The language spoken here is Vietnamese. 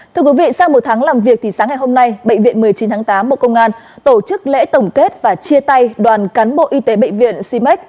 thưa quý vị sau một tháng làm việc thì sáng ngày hôm nay bệnh viện một mươi chín tháng tám bộ công an tổ chức lễ tổng kết và chia tay đoàn cán bộ y tế bệnh viện cm